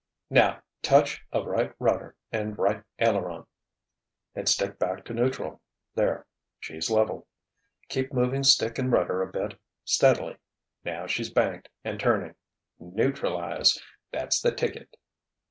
"Now, touch of right rudder and right aileron—and stick back to neutral. There! She's level. Keep moving stick and rudder a bit, steadily. Now she's banked and turning. Neutralize! That's the ticket.